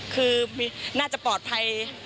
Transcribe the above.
คือน่าจะปลอดภัย